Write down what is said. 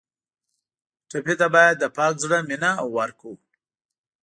ټپي ته باید د پاک زړه مینه ورکړو.